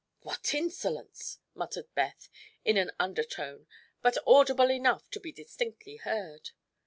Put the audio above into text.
"What insolence!" muttered Beth in an under tone but audible enough to be distinctly heard.